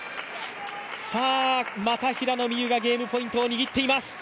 さあ、また平野美宇がゲームポイントを握っています。